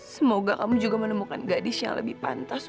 semoga kamu juga menemukan gadis yang lebih pantas